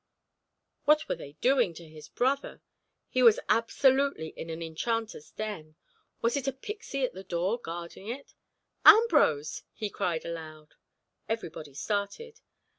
What were they doing to his brother? He was absolutely in an enchanter's den. Was it a pixy at the door, guarding it? "Ambrose!" he cried aloud. Everybody started.